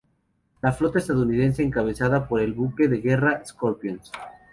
La flota estadounidense encabezada por el buque de guerra "Scorpions".